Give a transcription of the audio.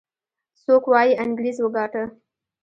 څوک وايي انګريز وګاټه.